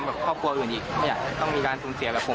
ไม่อยากให้ครอบครัวอื่นอีกไม่อยากให้ต้องมีการศูนย์เสียกับผมอีกแล้ว